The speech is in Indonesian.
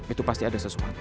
itu pasti ada sesuatu